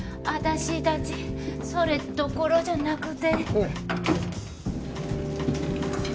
アタシたちそれどころじゃなくて。